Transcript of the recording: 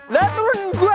lah turun gue